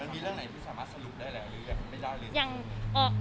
มันมีเรื่องไหนที่สามารถสรุปได้หรือไม่ได้หรือ